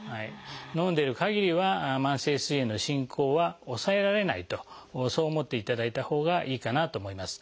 飲んでるかぎりは慢性すい炎の進行は抑えられないとそう思っていただいたほうがいいかなと思います。